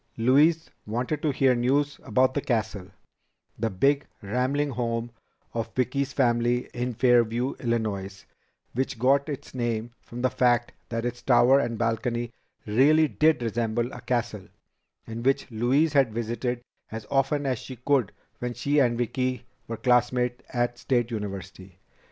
Louise wanted to hear news about The Castle, the big rambling home of Vicki's family in Fairview, Illinois, which got its name from the fact that its tower and balcony really did resemble a castle, and which Louise had visited as often as she could when she and Vicki were classmates at State University.